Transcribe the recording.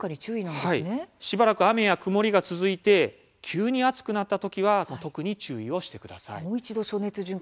しばらく雨や曇りが続いて急に暑くなった時は特に注意をしてください。